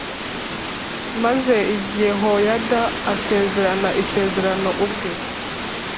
Maze Yehoyada asezerana isezerano ubwe